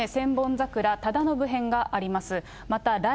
桜忠信編があります。